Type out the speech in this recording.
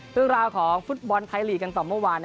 เรื่องราวของฟุตบอลไทยลีกกันต่อเมื่อวาน